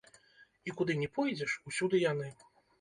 І куды ні пойдзеш, усюды яны.